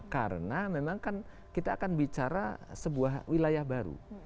karena memang kan kita akan bicara sebuah wilayah baru